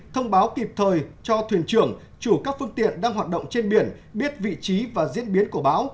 thông báo kịp thời cho thuyền trưởng chủ các phương tiện đang hoạt động trên biển biết vị trí và diễn biến của bão